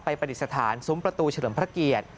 ปฏิสถานซุ้มประตูเฉลิมพระเกียรติ